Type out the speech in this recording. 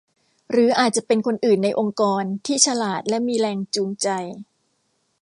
หรืออาจจะเป็นคนอื่นในองค์กรที่ฉลาดและมีแรงจูงใจ